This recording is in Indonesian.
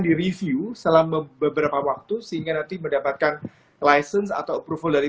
direview selama beberapa waktu sehingga nanti mendapatkan license atau approval dari